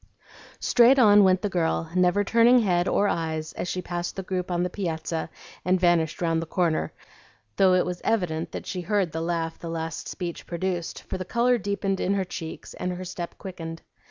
Straight on went the girl, never turning head or eyes as she passed the group on the piazza and vanished round the corner, though it was evident that she heard the laugh the last speech produced, for the color deepened in her cheeks and her step quickened.